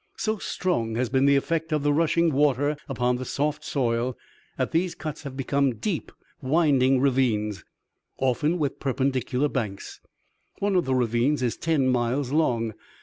So strong has been the effect of the rushing water upon the soft soil that these cuts have become deep winding ravines, often with perpendicular banks. One of the ravines is ten miles long.